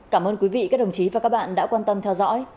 cảm ơn quý vị các đồng chí và các bạn đã quan tâm theo dõi